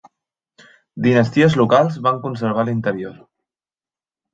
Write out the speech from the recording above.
Dinasties locals van conservar l'interior.